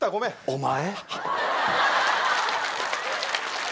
お前。